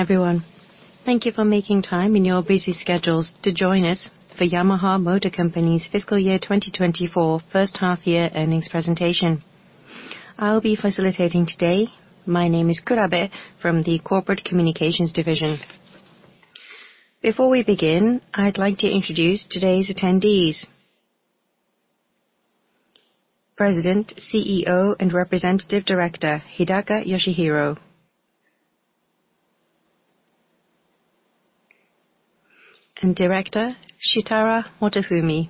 Everyone, thank you for making time in your busy schedules to join us for Yamaha Motor Company's fiscal year 2024 first half year earnings presentation. I'll be facilitating today. My name is Kurabe from the Corporate Communications Division. Before we begin, I'd like to introduce today's attendees. President, CEO, and Representative Director, Hidaka Yoshihiro. Director, Shitara Motofumi.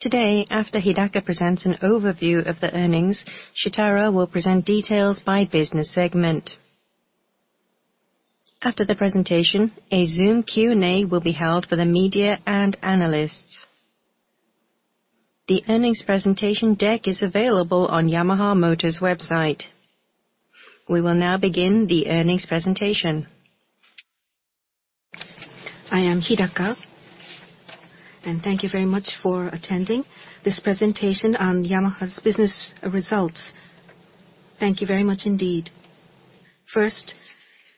Today, after Hidaka presents an overview of the earnings, Shitara will present details by business segment. After the presentation, a Zoom Q&A will be held for the media and analysts. The earnings presentation deck is available on Yamaha Motor's website. We will now begin the earnings presentation. I am Hidaka, and thank you very much for attending this presentation on Yamaha's business results. Thank you very much indeed. First,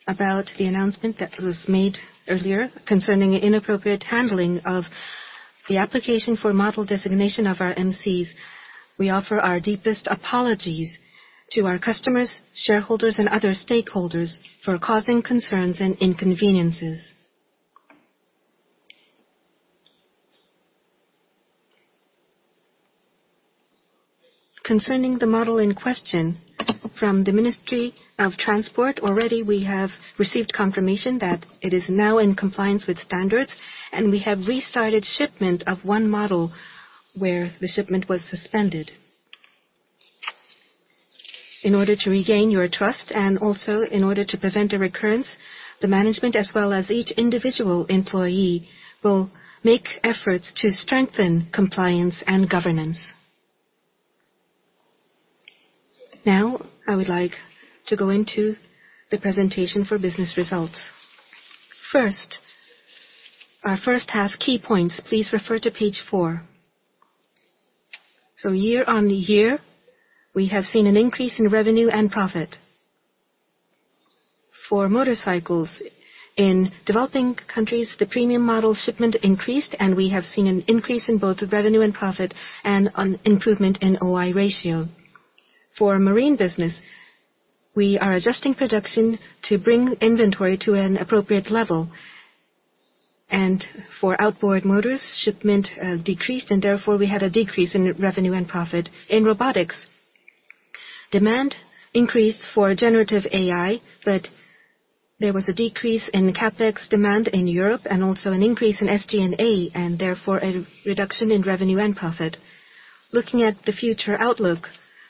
about the announcement that was made earlier concerning inappropriate handling of the application for model designation of our MCs. We offer our deepest apologies to our customers, shareholders, and other stakeholders for causing concerns and inconveniences. Concerning the model in question, from the Ministry of Transport, already we have received confirmation that it is now in compliance with standards, and we have restarted shipment of one model where the shipment was suspended. In order to regain your trust, and also in order to prevent a recurrence, the management as well as each individual employee will make efforts to strengthen compliance and governance. Now, I would like to go into the presentation for business results. First, our first half key points, please refer to page 4. So year-over-year, we have seen an increase in revenue and profit. For motorcycles, in developing countries, the premium model shipment increased, and we have seen an increase in both revenue and profit and an improvement in OI Ratio. For marine business, we are adjusting production to bring inventory to an appropriate level. For outboard motors, shipment decreased, and therefore, we had a decrease in revenue and profit. In robotics, demand increased for generative AI, but there was a decrease in the CapEx demand in Europe and also an increase in SG&A, and therefore a reduction in revenue and profit. Looking at the future outlook,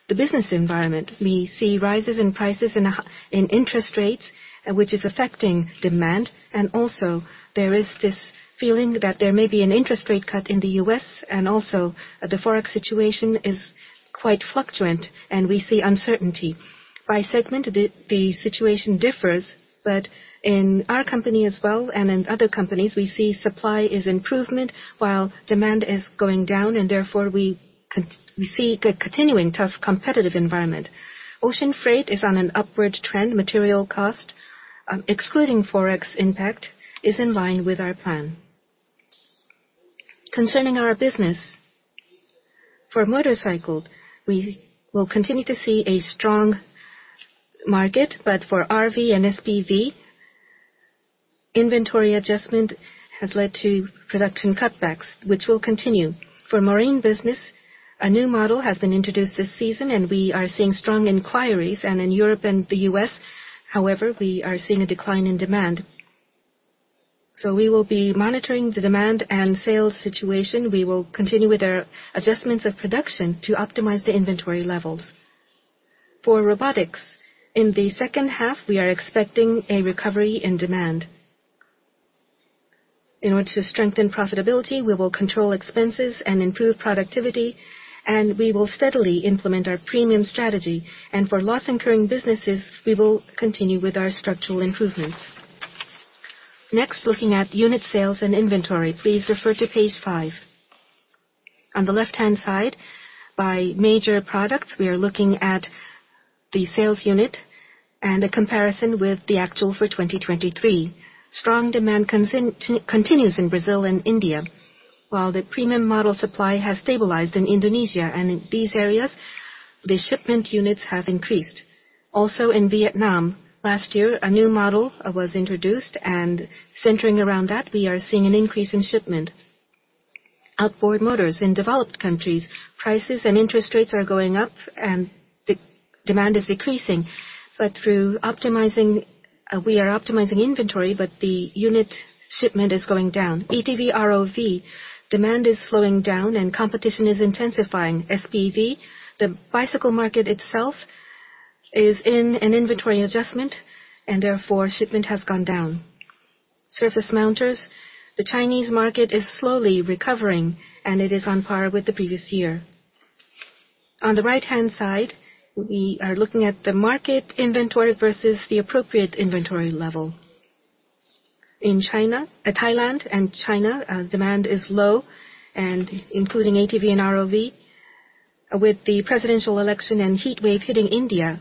the business environment, we see rises in prices and in interest rates, which is affecting demand. Also, there is this feeling that there may be an interest rate cut in the U.S., and also the Forex situation is quite fluctuant and we see uncertainty. By segment, the situation differs, but in our company as well, and in other companies, we see supply is improvement, while demand is going down, and therefore we see a continuing tough competitive environment. Ocean freight is on an upward trend. Material cost, excluding Forex impact, is in line with our plan. Concerning our business, for motorcycle, we will continue to see a strong market, but for RV and SPV, inventory adjustment has led to production cutbacks, which will continue. For marine business, a new model has been introduced this season, and we are seeing strong inquiries. In Europe and the U.S., however, we are seeing a decline in demand. So we will be monitoring the demand and sales situation. We will continue with our adjustments of production to optimize the inventory levels. For robotics, in the second half, we are expecting a recovery in demand. In order to strengthen profitability, we will control expenses and improve productivity, and we will steadily implement our premium strategy. For loss-incurring businesses, we will continue with our structural improvements. Next, looking at unit sales and inventory, please refer to page 5. On the left-hand side, by major products, we are looking at the sales unit and a comparison with the actual for 2023. Strong demand continues in Brazil and India, while the premium model supply has stabilized in Indonesia, and in these areas, the shipment units have increased. Also, in Vietnam, last year, a new model was introduced, and centering around that, we are seeing an increase in shipment. Outboard Motors in developed countries, prices and interest rates are going up and the demand is decreasing. But through optimizing, we are optimizing inventory, but the unit shipment is going down. ATV ROV, demand is slowing down and competition is intensifying. SPV, the bicycle market itself is in an inventory adjustment, and therefore, shipment has gone down. Surface Mounters, the Chinese market is slowly recovering, and it is on par with the previous year. On the right-hand side, we are looking at the market inventory versus the appropriate inventory level in China, Thailand and China, demand is low, and including ATV and ROV. With the presidential election and heat wave hitting India,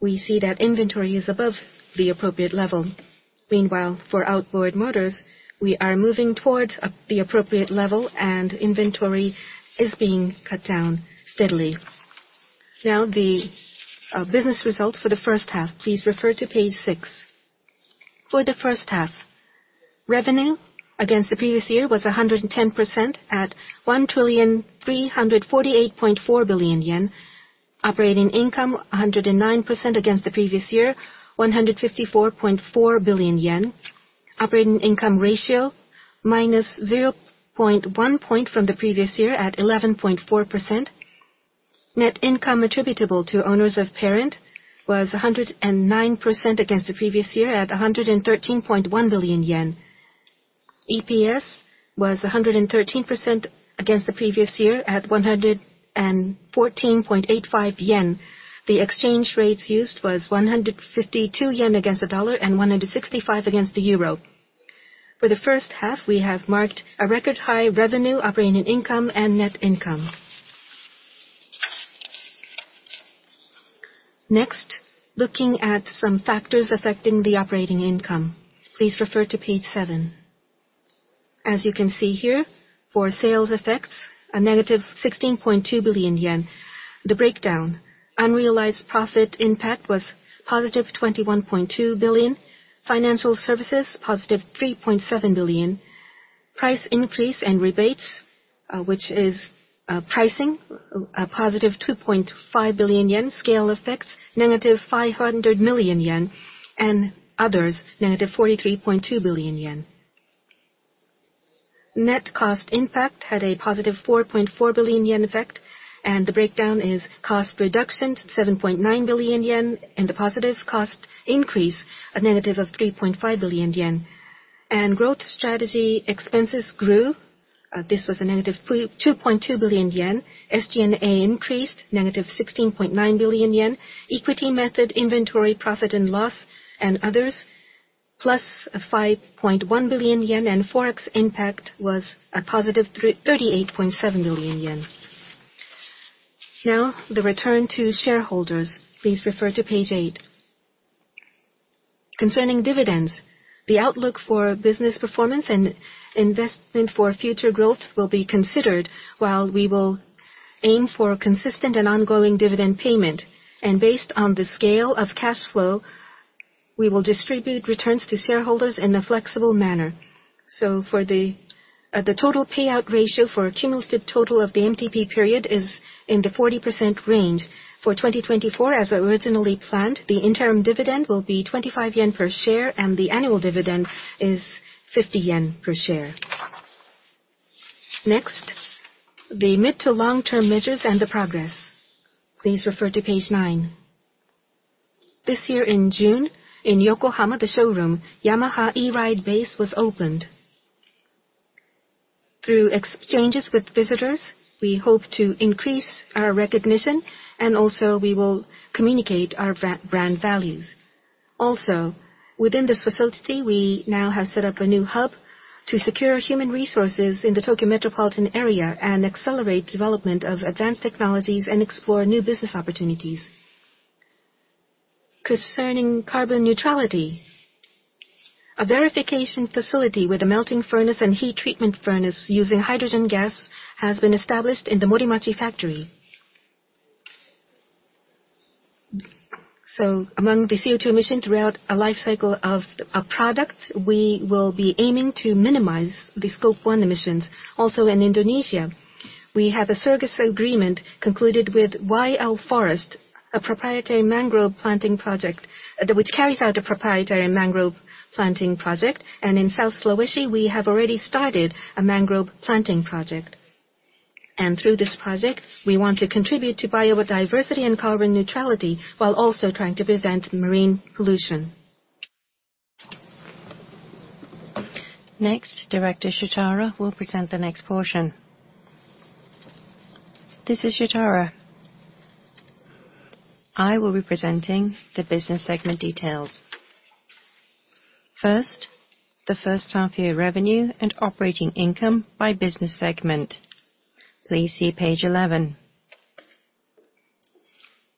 we see that inventory is above the appropriate level. Meanwhile, for outboard motors, we are moving towards a, the appropriate level, and inventory is being cut down steadily. Now, the business results for the first half. Please refer to page 6. For the first half, revenue against the previous year was 110% at 1,348.4 billion yen. Operating income, 109% against the previous year, 154.4 billion yen. Operating income ratio, -0.1 point from the previous year at 11.4%. Net income attributable to owners of parent was 109% against the previous year, at 113.1 billion yen. EPS was 113% against the previous year, at 114.85 yen. The exchange rates used was 152 yen against the dollar and 165 against the euro. For the first half, we have marked a record-high revenue, operating income, and net income. Next, looking at some factors affecting the operating income. Please refer to page 7. As you can see here, for sales effects, a -16.2 billion yen. The breakdown: unrealized profit impact was positive 21.2 billion. Financial services, +3.7 billion. Price increase and rebates, which is, pricing, a +2.5 billion yen. Scale effects, -500 million yen. And others, JPY -43.2 billion. Net cost impact had a +4.4 billion yen effect, and the breakdown is cost reduction, 7.9 billion yen, and the positive cost increase, a -3.5 billion yen. And growth strategy expenses grew, this was a -2.2 billion yen. SG&A increased, -16.9 billion yen. Equity method, inventory, profit and loss, and others, +5.1 billion yen, and Forex impact was a positive 38.7 billion yen. Now, the return to shareholders. Please refer to page 8. Concerning dividends, the outlook for business performance and investment for future growth will be considered, while we will aim for consistent and ongoing dividend payment. And based on the scale of cash flow, we will distribute returns to shareholders in a flexible manner. So for the, the total payout ratio for a cumulative total of the MTP period is in the 40% range. For 2024, as originally planned, the interim dividend will be 25 yen per share, and the annual dividend is 50 yen per share. Next, the mid to long-term measures and the progress. Please refer to page 9. This year in June, in Yokohama, the showroom Yamaha E-Ride Base was opened. Through exchanges with visitors, we hope to increase our recognition, and also we will communicate our brand values. Also, within this facility, we now have set up a new hub to secure human resources in the Tokyo metropolitan area and accelerate development of advanced technologies and explore new business opportunities. Concerning carbon neutrality, a verification facility with a melting furnace and heat treatment furnace using hydrogen gas has been established in the Morimachi Factory. So among the CO2 emission throughout a life cycle of a product, we will be aiming to minimize the Scope 1 emissions. Also, in Indonesia, we have a service agreement concluded with YL Forest, a proprietary mangrove planting project, which carries out a proprietary mangrove planting project. In South Sulawesi, we have already started a mangrove planting project. Through this project, we want to contribute to biodiversity and carbon neutrality, while also trying to prevent marine pollution. Next, Director Shitara will present the next portion. This is Shitara. I will be presenting the business segment details. First, the first half-year revenue and operating income by business segment. Please see page 11.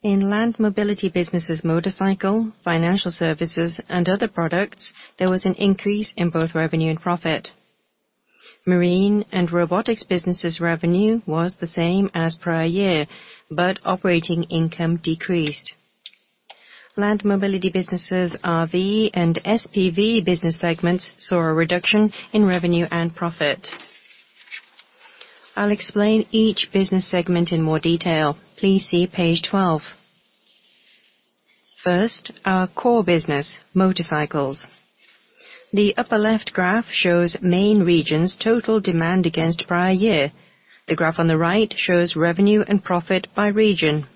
In land mobility businesses, motorcycle, financial services, and other products, there was an increase in both revenue and profit. Marine and robotics businesses revenue was the same as prior year, but operating income decreased. Land mobility businesses, RV and SPV business segments, saw a reduction in revenue and profit. I'll explain each business segment in more detail. Please see page 12. First, our core business, motorcycles. The upper left graph shows main regions' total demand against prior year. The graph on the right shows revenue and profit by region.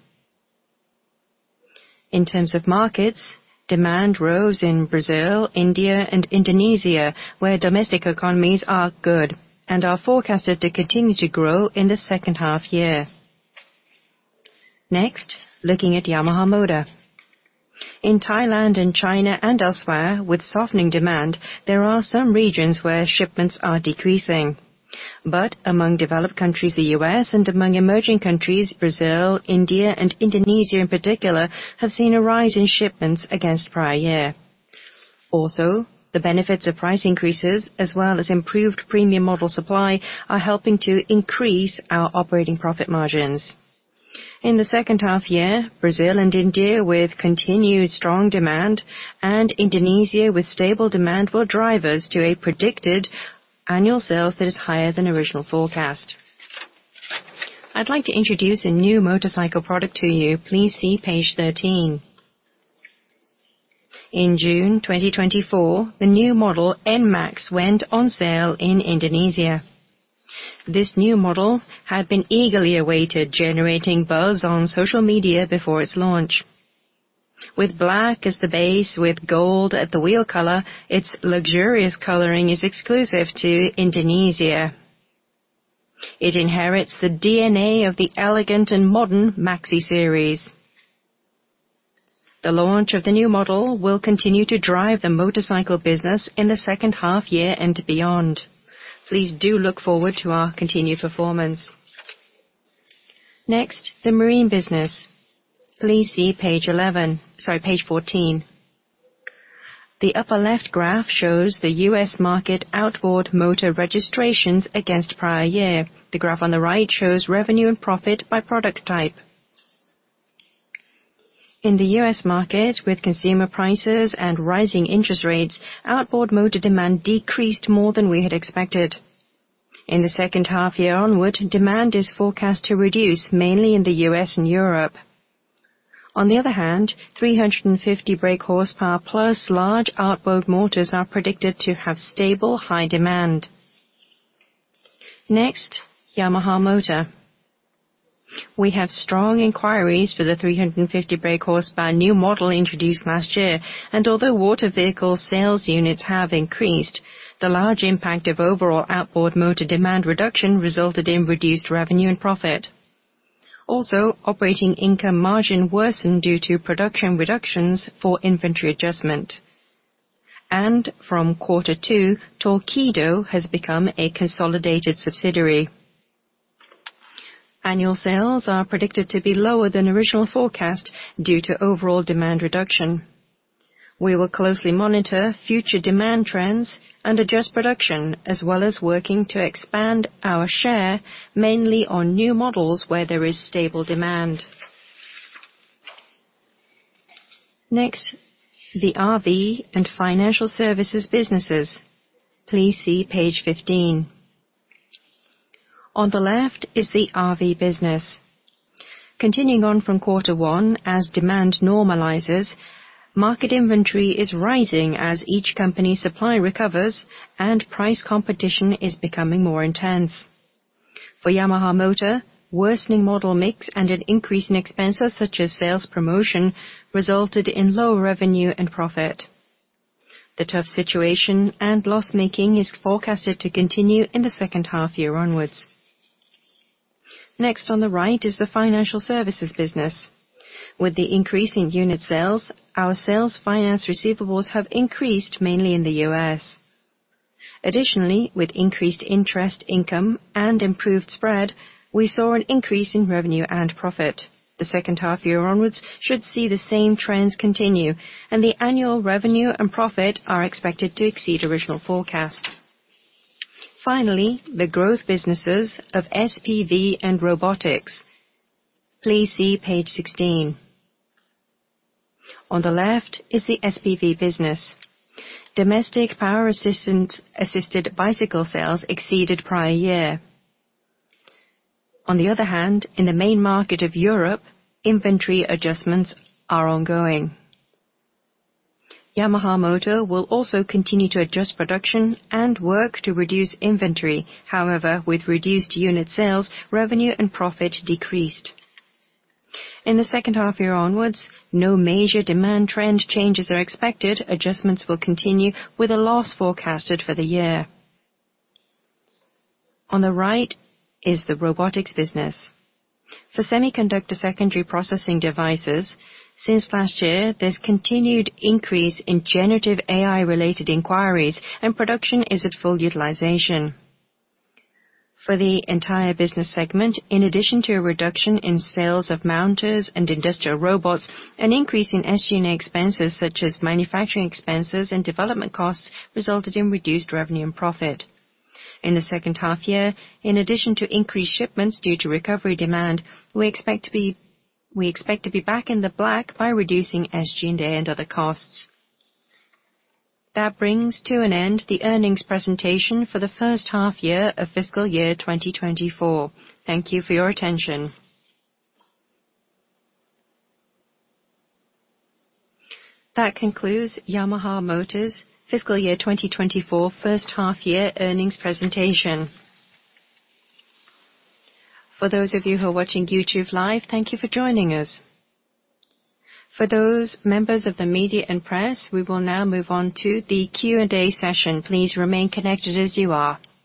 In terms of markets, demand rose in Brazil, India, and Indonesia, where domestic economies are good and are forecasted to continue to grow in the second half year. Next, looking at Yamaha Motor. In Thailand and China and elsewhere, with softening demand, there are some regions where shipments are decreasing. But among developed countries, the U.S., and among emerging countries, Brazil, India, and Indonesia, in particular, have seen a rise in shipments against prior year. Also, the benefits of price increases, as well as improved premium model supply, are helping to increase our operating profit margins. In the second half year, Brazil and India, with continued strong demand, and Indonesia with stable demand, were drivers to a predicted annual sales that is higher than original forecast. I'd like to introduce a new motorcycle product to you. Please see page 13. In June 2024, the new model, NMAX, went on sale in Indonesia. This new model had been eagerly awaited, generating buzz on social media before its launch. With black as the base, with gold at the wheel color, its luxurious coloring is exclusive to Indonesia. It inherits the DNA of the elegant and modern MAXI series. The launch of the new model will continue to drive the motorcycle business in the second half year and beyond. Please do look forward to our continued performance. Next, the marine business. Please see page 11, sorry, page 14. The upper left graph shows the U.S. market outboard motor registrations against prior year. The graph on the right shows revenue and profit by product type. In the U.S. market, with consumer prices and rising interest rates, outboard motor demand decreased more than we had expected. In the second half year onward, demand is forecast to reduce mainly in the U.S. and Europe. On the other hand, 350 brake horsepower, plus large outboard motors, are predicted to have stable, high demand. Next, Yamaha Motor. We have strong inquiries for the 350 brake horsepower new model introduced last year, and although water vehicle sales units have increased, the large impact of overall outboard motor demand reduction resulted in reduced revenue and profit. Also, operating income margin worsened due to production reductions for inventory adjustment. And from quarter two, Torqeedo has become a consolidated subsidiary. Annual sales are predicted to be lower than original forecast due to overall demand reduction. We will closely monitor future demand trends and adjust production, as well as working to expand our share, mainly on new models where there is stable demand. Next, the ROV and financial services businesses. Please see page 15. On the left is the ROV business. Continuing on from quarter one, as demand normalizes, market inventory is rising as each company's supply recovers and price competition is becoming more intense. For Yamaha Motor, worsening model mix and an increase in expenses, such as sales promotion, resulted in low revenue and profit. The tough situation and loss-making is forecasted to continue in the second half year onwards. Next, on the right, is the financial services business. With the increase in unit sales, our sales finance receivables have increased, mainly in the U.S. Additionally, with increased interest, income, and improved spread, we saw an increase in revenue and profit. The second half year onwards should see the same trends continue, and the annual revenue and profit are expected to exceed original forecasts. Finally, the growth businesses of SPV and robotics. Please see page 16. On the left is the SPV business. Domestic power-assisted bicycle sales exceeded prior year. On the other hand, in the main market of Europe, inventory adjustments are ongoing. Yamaha Motor will also continue to adjust production and work to reduce inventory. However, with reduced unit sales, revenue and profit decreased. In the second half year onwards, no major demand trend changes are expected. Adjustments will continue, with a loss forecasted for the year. On the right is the robotics business. For semiconductor secondary processing devices, since last year, there's continued increase in generative AI-related inquiries, and production is at full utilization. For the entire business segment, in addition to a reduction in sales of mounters and industrial robots, an increase in SG&A expenses, such as manufacturing expenses and development costs, resulted in reduced revenue and profit. In the second half year, in addition to increased shipments due to recovery demand, we expect to be, we expect to be back in the black by reducing SG&A and other costs. That brings to an end the earnings presentation for the first half year of fiscal year 2024. Thank you for your attention. That concludes Yamaha Motor's fiscal year 2024 first half year earnings presentation. For those of you who are watching YouTube Live, thank you for joining us. For those members of the media and press, we will now move on to the Q&A session. Please remain connected as you are.